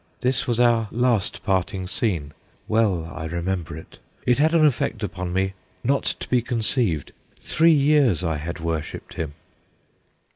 This was our last parting scene well I remember it. It had an effect upon me not to be conceived three years I had worshipped him.'